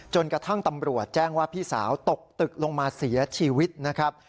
จนกระทั่งตำรวจแจ้งว่าพี่สาวตกตึกลงมาเสียชีวิตนะครับ